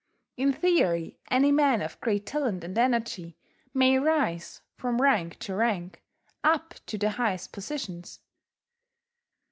In theory any man of great talent and energy may rise, from rank to rank, up to the highest positions.